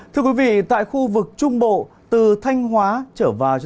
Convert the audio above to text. thưa quý vị tại khu vực trung bộ từ thanh hóa trở vào